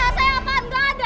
selesai apaan nggak ada